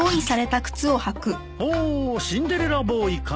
ほおシンデレラボーイか。